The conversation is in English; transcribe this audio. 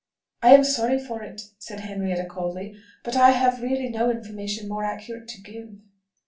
"I am sorry for it," said Henrietta coldly, "but I have really no information more accurate to give."